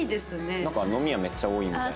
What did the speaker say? なんか飲み屋めっちゃ多いみたいな。